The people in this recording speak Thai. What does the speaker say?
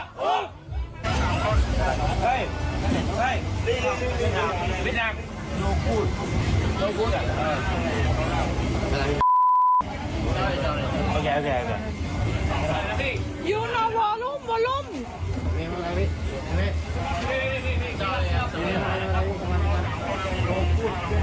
โฮยขวางนักท่องเที่ยวโฮยขวาง